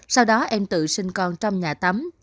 sau đó em tự sinh con trong nhà tắm